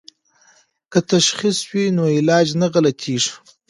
که تشخیص وي نو علاج نه غلطیږي.